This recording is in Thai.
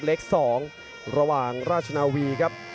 เล็ก๒ระหว่างราชนาวีครับ